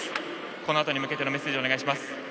このあとに向けてのメッセージお願いします。